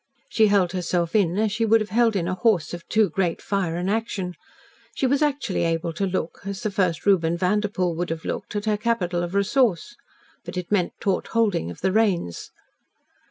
She held herself in as she would have held in a horse of too great fire and action. She was actually able to look as the first Reuben Vanderpoel would have looked at her capital of resource. But it meant taut holding of the reins.